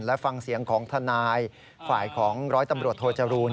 และฟังเสียงของทนายฝ่ายของร้อยตำรวจโทจรูล